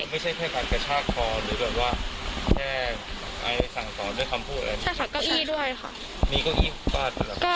มีเก้าอี้บ้านหรือเปล่า